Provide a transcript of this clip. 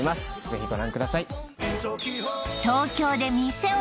ぜひご覧ください